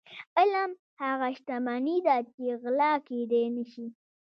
علم هغه شتمني ده چې غلا کیدی نشي.